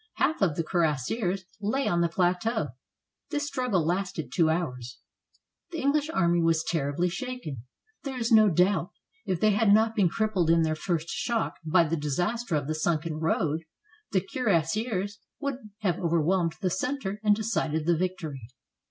Half of the cuirassiers lay on the plateau. This struggle lasted two hours. The EngHsh army was terribly shaken. There is no doubt, if they had not been crippled in their first shock by the disaster of the sunken road, the cuirassiers would have overwhelmed the center and decided the victory.